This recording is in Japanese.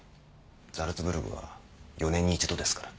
ザルツブルクは４年に一度ですから。